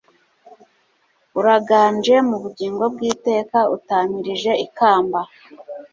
uraganje mu bugingo bw'iteka, utamirije ikamba